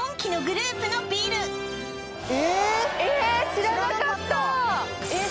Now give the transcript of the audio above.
知らなかったえっ！？